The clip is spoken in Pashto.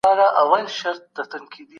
په واده کي ځانونه پوروړي کول ناسم کار دی.